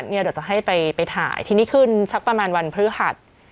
เดี๋ยวจะให้ไปถ่ายทีนี้ขึ้นสักประมาณวันพฤหัส